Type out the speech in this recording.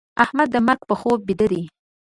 احمد د مرګ په خوب بيده دی.